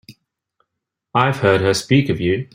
I've heard her speak of you.